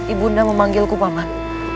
ibunda memanggilku paman